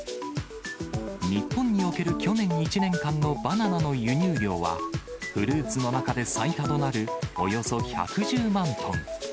日本における去年１年間のバナナの輸入量は、フルーツの中で最多となるおよそ１１０万トン。